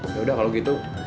yaudah kalau gitu